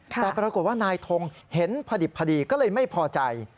แต่ปรากฏว่านายทงเห็นพอดิบพอดีก็เลยไม่พอใจ